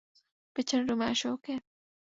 পেছনের রুমে আসো, ওকে?